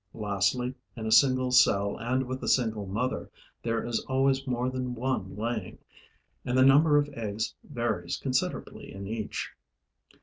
Lastly, in a single cell and with a single mother, there is always more than one laying; and the number of eggs varies considerably in each.